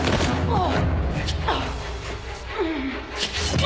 ああ。